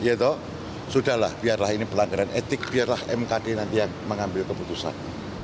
ya toh sudahlah biarlah ini pelanggaran etik biarlah mkd nanti yang mengambil keputusan